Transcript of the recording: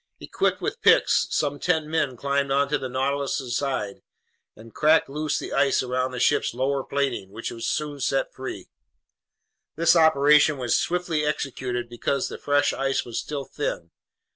Equipped with picks, some ten men climbed onto the Nautilus's sides and cracked loose the ice around the ship's lower plating, which was soon set free. This operation was swiftly executed because the fresh ice was still thin.